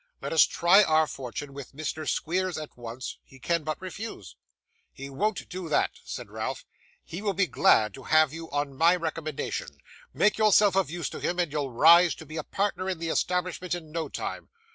Let us try our fortune with Mr Squeers at once; he can but refuse.' 'He won't do that,' said Ralph. 'He will be glad to have you on my recommendation. Make yourself of use to him, and you'll rise to be a partner in the establishment in no time.